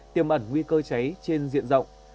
tiêm ẩn nguy cơ cháy trên diện rộng